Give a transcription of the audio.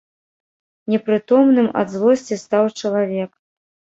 Непрытомным ад злосці стаў чалавек.